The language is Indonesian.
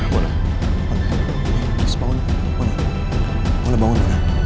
boleh bangun boleh bangun